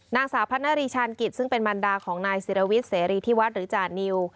นางสาวพัฒนารีชาญกิจซึ่งเป็นมันดาของนายศิรวิทย์เสรีที่วัดหรือจานิว